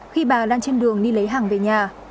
khi bà lan trên đường đi lấy hàng về nhà